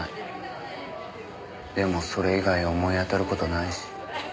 でもそれ以外思い当たる事ないし。